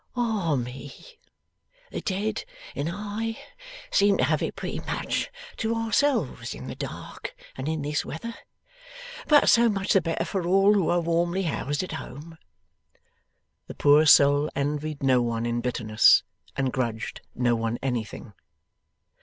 'Ah me! The dead and I seem to have it pretty much to ourselves in the dark and in this weather! But so much the better for all who are warmly housed at home.' The poor soul envied no one in bitterness, and grudged no one anything.